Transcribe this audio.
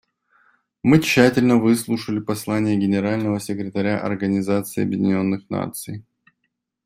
Мы тщательно выслушали послание Генерального секретаря Организации Объединенных Наций.